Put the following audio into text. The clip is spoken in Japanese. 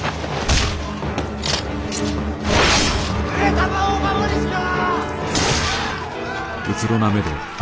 上様をお守りしろ！